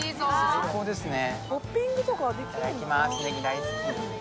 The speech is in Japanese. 最高ですね。